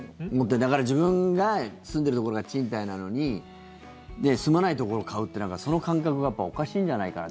だから、自分が住んでるところが賃貸なのに住まないところを買うってその感覚がおかしいんじゃないかなって。